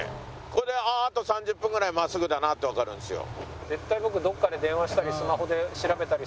これであと３０分ぐらい真っすぐだなってわかるんですよ。